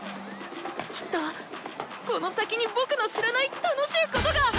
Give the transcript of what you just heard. きっとこの先に僕の知らない楽しいことが！